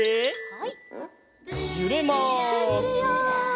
はい。